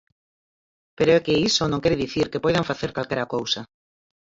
Pero é que iso non quere dicir que poidan facer calquera cousa.